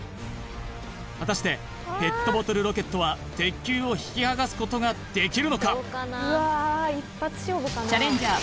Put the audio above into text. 果たしてペットボトルロケットは鉄球を引き剥がすことができるのかチャレンジャー